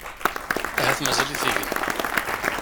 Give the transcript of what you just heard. Ahat mazal-it igen.